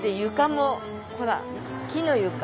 床もほら木の床。